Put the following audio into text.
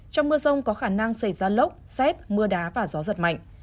trong mưa rông có khả năng xảy ra lốc xét mưa đá và gió giật mạnh